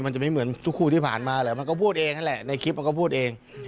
มันจะไม่เหมือนทุกคู่ที่ผ่านมาแหละมันก็พูดเองนั่นแหละในคลิปมันก็พูดเอง